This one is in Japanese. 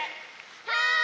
はい！